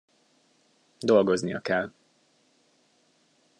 Dolgoznia kell.